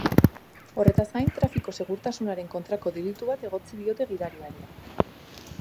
Horretaz gain, trafiko-segurtasunaren kontrako delitu bat egotzi diote gidariari.